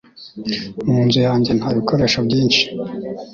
Mu nzu yanjye nta bikoresho byinshi